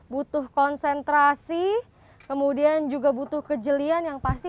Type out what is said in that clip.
butuh konsentrasi kemudian juga butuh kejelian yang pasti